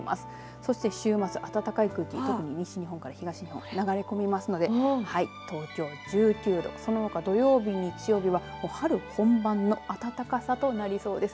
そして週末、暖かい空気特に西日本から東日本流れ込みますので東京１９度そのほか土曜日、日曜日は春本番の暖かさとなりそうです。